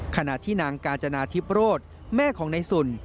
ขณะที่นางกาญจนาทิพย์โรธแม่ของในสุน